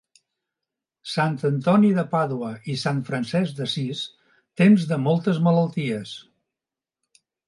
Sant Antoni de Pàdua i Sant Francesc d'Assís, temps de moltes malalties.